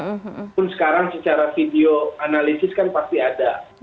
walaupun sekarang secara video analisis kan pasti ada